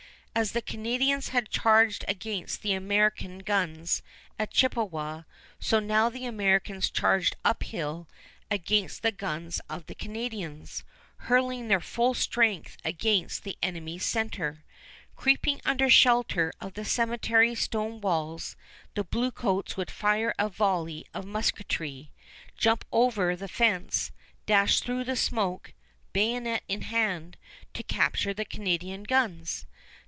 As the Canadians had charged against the American guns at Chippewa, so now the Americans charged uphill against the guns of the Canadians, hurling their full strength against the enemy's center. Creeping under shelter of the cemetery stone walls, the bluecoats would fire a volley of musketry, jump over the fence, dash through the smoke, bayonet in hand, to capture the Canadian guns.